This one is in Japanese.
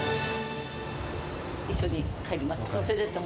一緒に帰ります。